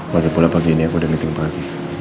lagi pula pagi ini aku ada meeting pagi